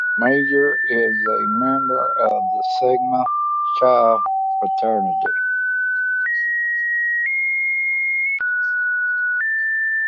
Majors is a member of the Sigma Chi fraternity.